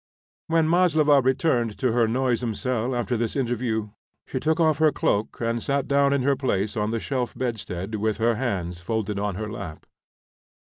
When Maslova returned to her noisome cell after this interview, she took off her cloak and sat down in her place on the shelf bedstead with her hands folded on her lap.